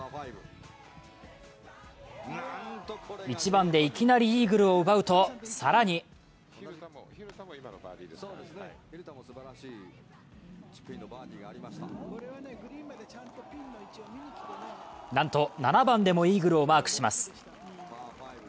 １番でいきなりイーグルを奪うと、更になんと７番でもイーグルをマークします。